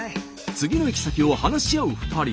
次の行き先を話し合う２人。